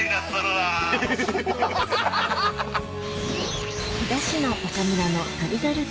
ハハハハハ！